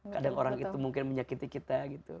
kadang orang itu mungkin menyakiti kita gitu